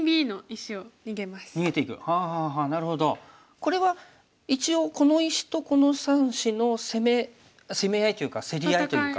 これは一応この石とこの３子の攻め攻め合いというか競り合いというか。